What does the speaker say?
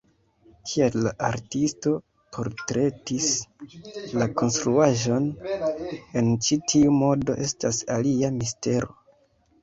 Kial la artisto portretis la konstruaĵon en ĉi tiu modo estas alia mistero.